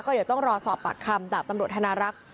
เดี๋ยวต้องรอสอบปากคำดาบตำรวจธนารักษ์